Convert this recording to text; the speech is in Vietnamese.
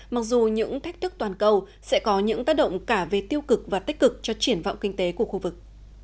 mặc dù những thách thức toàn cầu sẽ có những tác động cả về tiêu cực và tích cực cho triển vọng kinh tế của khu vực